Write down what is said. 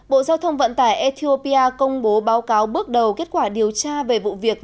bộ giao thông vận tải ethiopia công bố báo cáo bước đầu kết quả điều tra về vụ việc